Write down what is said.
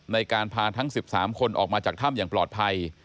ในการพาทั้ง๑๓คนออกมาจากถ้ำอย่างปลอดภัย